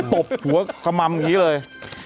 ตบหัวขมัมอย่างนี้เลย